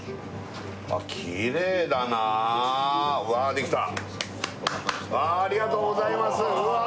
できたありがとうございますうわ